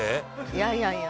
「いやいやいや」